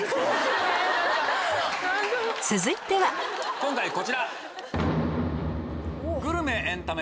続いては今回こちら！